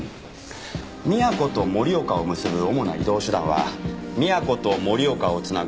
宮古と盛岡を結ぶ主な移動手段は宮古と盛岡をつなぐ